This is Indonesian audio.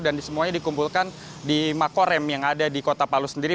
dan semuanya dikumpulkan di makorem yang ada di kota palu sendiri